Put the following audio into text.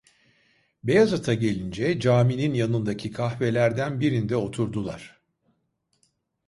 Beyazıt’a gelince caminin yanındaki kahvelerden birinde oturdular.